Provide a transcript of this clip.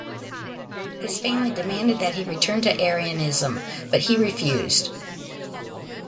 His family demanded that he return to Arianism, but he refused.